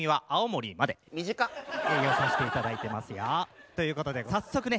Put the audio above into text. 営業させて頂いてますよ。ということで早速ね